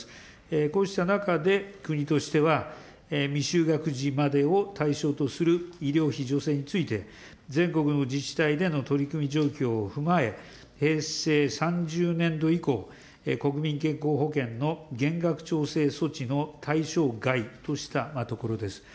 こうした中で、国としては未就学児までを対象とする医療費助成について、全国の自治体での取り組み状況を踏まえ、平成３０年度以降、国民健康保険の減額調整措置の対象外としたところです。